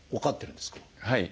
はい。